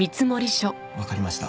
わかりました。